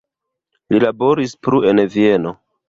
Li laboris plu en Vieno.